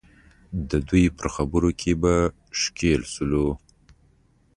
د دوی پر خبرو کې به ښکېل شولو.